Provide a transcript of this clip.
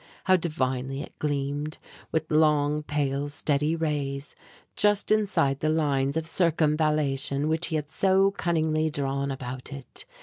How divinely it gleamed, with long, pale, steady rays, just inside the lines of circumvallation which he had so cunningly drawn about it!